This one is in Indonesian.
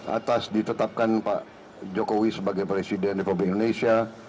atas ditetapkan pak jokowi sebagai presiden republik indonesia